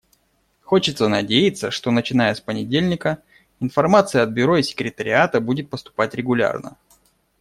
Хочется надеяться, что начиная с понедельника информация от Бюро и секретариата будет поступать регулярно.